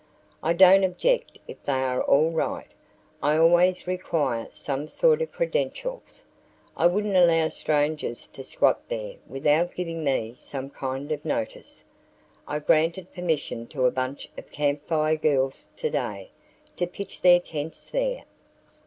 "I don't object if they are all right. I always require some sort of credentials. I wouldn't allow strangers to squat there without giving me some kind of notice. I granted permission to a bunch of Camp Fire Girls today to pitch their tents there."